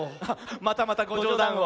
またまたごじょうだんを。